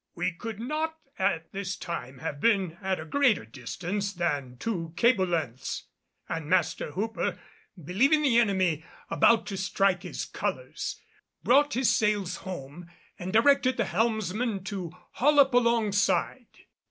We could not at this time have been at a greater distance than two cable lengths and Master Hooper, believing the enemy about to strike his colors, brought his sails home and directed the helmsman to haul up alongside.